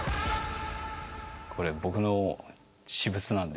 これ僕の私物なので。